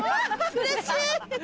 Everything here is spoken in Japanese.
うれしい！